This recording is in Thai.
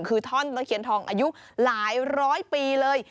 คือท่อนตะเคียนทองอายุหลายร้อยปีเลย